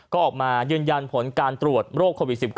ก็ออกมายืนยันผลการตรวจโรคโควิด๑๙